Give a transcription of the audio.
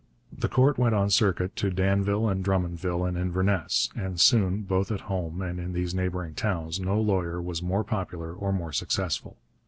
The court went on circuit to Danville and Drummondville and Inverness, and soon, both at home and in these neighbouring towns, no lawyer was more popular or more successful.